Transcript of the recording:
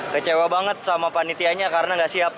kecewa banget sama penitianya karena tidak siap